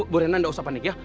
bu rena tidak usah panik ya